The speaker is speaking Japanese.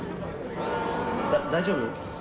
大丈夫？